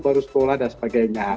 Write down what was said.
baru sekolah dan sebagainya